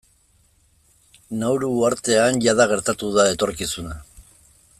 Nauru uhartean jada gertatu da etorkizuna.